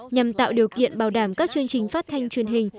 nhằm tạo điều kiện bảo đảm các chương trình phát thanh truyền hình